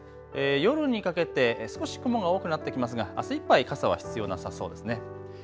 夜にかけて少し雲が多くなってきますがあすいっぱい傘は必要なさそうですね。